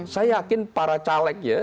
saya yakin para caleg ya